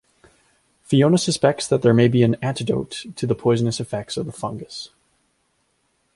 Fiona suspects there may be an antidote to the poisonous effects of the fungus.